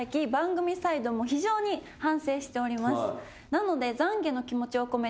なので。